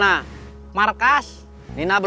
kamu nggak punya kue